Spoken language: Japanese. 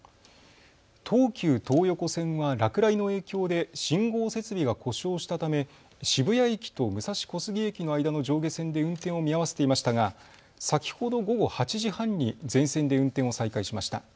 東急東横線は落雷の影響で信号設備が故障したため渋谷駅と武蔵小杉駅の間の上下線で運転を見合わせていましたが先ほど午後８時半に全線で運転を再開しました。